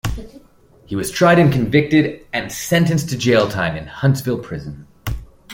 He was tried and convicted and sentenced to jail time in Huntsville Prison.